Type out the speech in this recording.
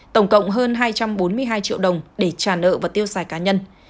tổng cộng hơn hai trăm bốn mươi hai triệu đồng để trả nợ và tiêu xài cá nhân